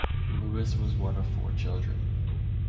Lewis was one of four children.